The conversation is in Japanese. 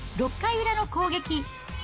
６回裏の攻撃。